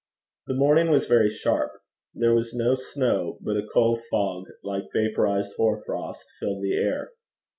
The morning was very sharp. There was no snow, but a cold fog, like vaporized hoar frost, filled the air.